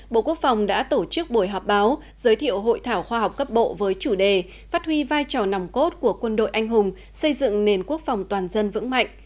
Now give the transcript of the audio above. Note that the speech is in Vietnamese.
bộ quốc phòng đã tổ chức buổi họp báo giới thiệu hội thảo khoa học cấp bộ với chủ đề phát huy vai trò nòng cốt của quân đội anh hùng xây dựng nền quốc phòng toàn dân vững mạnh